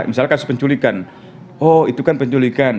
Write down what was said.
misalkan sepenculikan oh itu kan penculikan